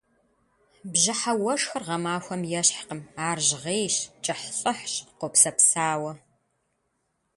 Бжьыхьэ уэшхыр гъэмахуэм ещхькъым, ар жьгъейщ, кӏыхьлӏыхьщ, къопсэпсауэ.